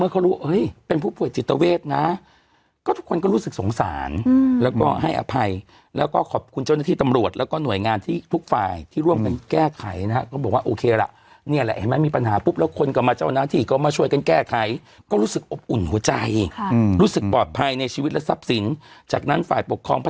เขารู้ว่าเป็นผู้ป่วยจิตเวทนะก็ทุกคนก็รู้สึกสงสารแล้วก็ให้อภัยแล้วก็ขอบคุณเจ้าหน้าที่ตำรวจแล้วก็หน่วยงานที่ทุกฝ่ายที่ร่วมกันแก้ไขนะฮะก็บอกว่าโอเคละนี่แหละเห็นไหมมีปัญหาปุ๊บแล้วคนก็มาเจ้าหน้าที่ก็มาช่วยกันแก้ไขก็รู้สึกอบอุ่นหัวใจรู้สึกปลอดภัยในชีวิตและทรัพย์สินจากนั้นฝ่ายปกครองพ